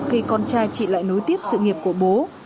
khi con trai chị lại nối tiếp sự nghiệp của bố